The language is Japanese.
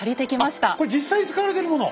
あっこれ実際に使われてるもの？